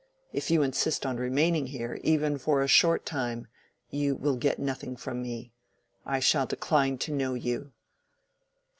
If you insist on remaining here, even for a short time, you will get nothing from me. I shall decline to know you."